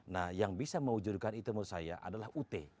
nah yang bisa mewujudkan itu menurut saya adalah ut